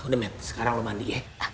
udah mat sekarang lo mandi ya